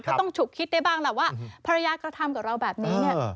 ก็ต้องฉุกคิดได้บ้างแหละว่าภรรยากระทำกับเราแบบนี้